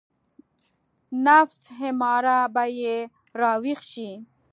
نفس اماره به يې راويښ شي.